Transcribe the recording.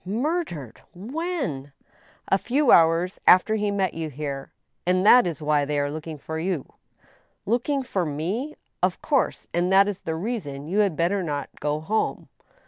" Murdered ! When ?"" A few hours after he met you here, and that is why they are looking for you." " Looking for me ?"•* Of course. And that is the reason you had better not go home."